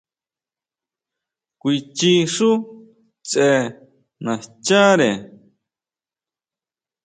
Kuichi xú tse nascháʼre.